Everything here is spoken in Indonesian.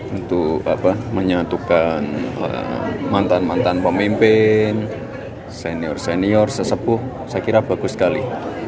untuk menyatukan mantan mantan pemimpin senior senior sesepuh saya kira bagus sekali